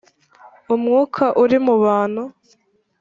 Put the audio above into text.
umwuka uri mu bantu